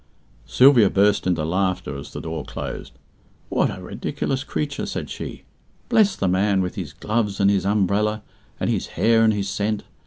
Sylvia burst into laughter as the door closed. "What a ridiculous creature!" said she. "Bless the man, with his gloves and his umbrella, and his hair and his scent!